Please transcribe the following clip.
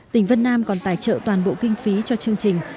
tỉnh vân nam còn tài trợ toàn bộ kinh phí cho chương trình